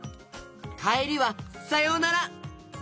かえりは「さようなら」。